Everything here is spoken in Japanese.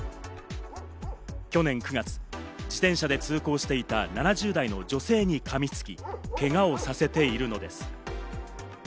去年９月、自転車で通行していた７０代の女性にかみつき、けがをさせているのです。